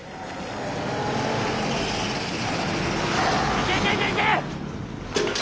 ・行け行け行け行け！